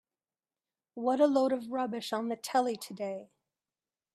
What a load of rubbish on the telly today.